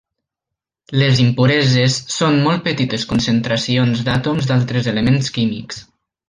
Les impureses són molt petites concentracions d'àtoms d'altres elements químics.